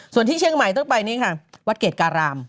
ส่วนที่เชียงใหม่ต้องไปนี่ค่ะวัดเกรดการาม